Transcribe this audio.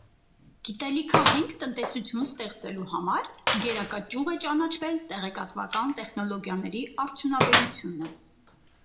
Գիտելիքահենք տնտեսություն ստեղծելու համար գերակա ճյուղ է ճանաչվել տեղեկատվական տեխնոլոգիաների արդյունաբերությունը։